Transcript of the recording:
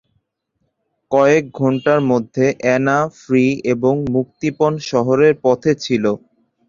কয়েক ঘন্টার মধ্যে অ্যানা, ফ্রি এবং মুক্তিপণ শহরের পথে ছিল।